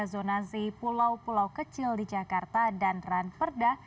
zonasi pulau pulau kecil di jakarta dan ranperda